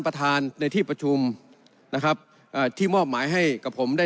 ประธานในที่ประชุมนะครับอ่าที่มอบหมายให้กับผมได้